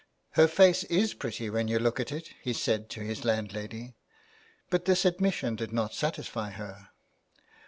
'* Her face is pretty when you look at it," he said to his landlady. But this admission did not satisfy her.